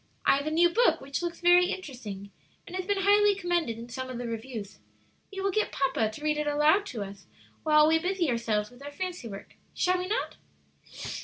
I have a new book which looks very interesting, and has been highly commended in some of the reviews. We will get papa to read it aloud to us while we busy ourselves with our fancy work. Shall we not?"